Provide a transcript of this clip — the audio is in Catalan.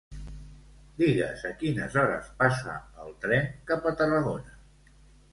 Digues a quines hores passa el tren cap a Tarragona.